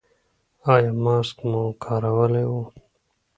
ایا ماسک مو کارولی و؟